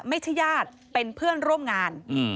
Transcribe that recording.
ไม่ใช่ญาติเป็นเพื่อนร่วมงาน